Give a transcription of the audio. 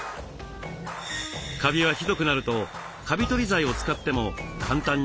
カビはひどくなるとカビ取り剤を使っても簡単に落とせなくなります。